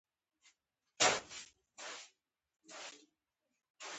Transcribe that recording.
د ژاولې ژوول د ژامې عضلات قوي کوي.